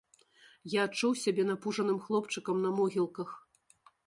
Я адчуў сябе напужаным хлопчыкам на могілках.